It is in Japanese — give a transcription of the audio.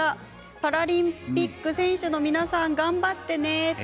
パラリンピック選手の皆さん頑張ってねと。